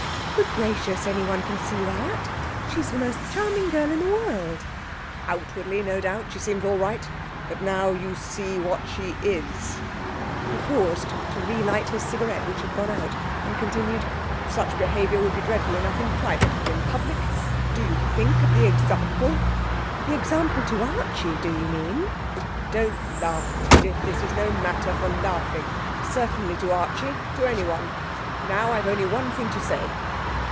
'Good gracious! Anyone can see that! She's the most charming girl in the world.' 'Outwardly, no doubt, she seems all right. But now you see what she is.' He paused to relight his cigarette, which had gone out, and continued: 'Such behaviour would be dreadful enough in private, but in public! Do you think of the example?' 'The example to Archie, do you mean?' 'Don't laugh, Edith. This is no matter for laughing. Certainly to Archie to anyone. Now I've only one thing to say.'